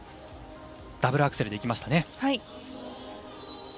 ダブルアクセルでいきましたね。